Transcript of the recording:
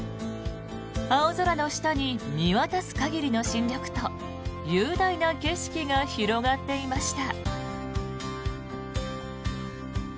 青空の下に見渡す限りの新緑と雄大な景色が広がっていました。